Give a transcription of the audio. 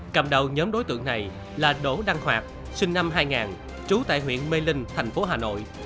cầm đầu nhóm đối tượng này là đỗ đăng hoạt sinh năm hai nghìn trú tại huyện mê linh thành phố hà nội